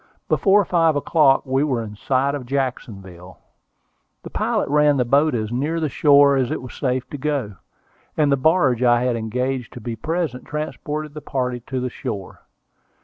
Before five o'clock we were in sight of Jacksonville. The pilot ran the boat as near the shore as it was safe to go, and the barge I had engaged to be present transported the party to the shore.